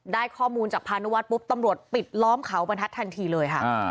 ได้ข้อมูลจากพานุวัฒนปุ๊บตำรวจปิดล้อมเขาบรรทัศน์ทันทีเลยค่ะ